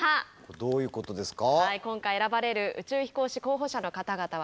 どういうことですか？